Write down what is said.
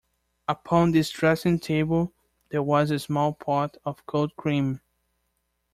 Upon this dressing-table there was a small pot of cold cream.